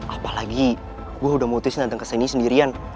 apalagi gue udah mau tesin nanteng kesini sendirian